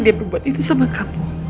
dia membuat itu sama kamu